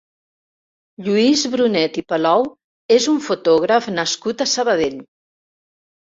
Lluís Brunet i Palou és un fotògraf nascut a Sabadell.